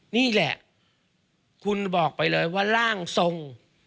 นี่แหละคุณบอกไปเลยว่าร่างทรง